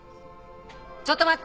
ちょっと待って。